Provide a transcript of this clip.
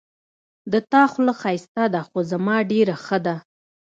د تا خوله ښایسته ده خو زما ډېره ښه ده